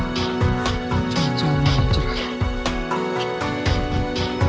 boleh bantu banyak bangunan pilihan